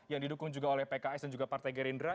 yang didukung juga oleh pks dan juga partai gerindra